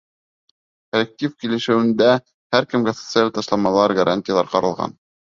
Коллектив килешеүендә һәр кемгә социаль ташламалар, гарантиялар ҡаралған.